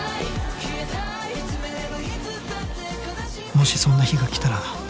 「もしそんな日が来たら」